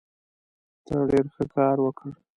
ته ډېر ښه کار وکړ.